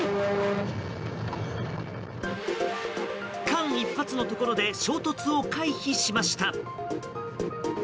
間一髪のところで衝突を回避しました。